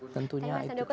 tentunya itu juga